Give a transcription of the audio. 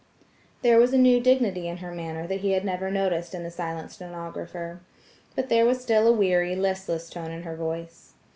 There was a new dignity in her manner that he had never noticed in the silent stenographer. But there was still a weary, listless tone in her voice.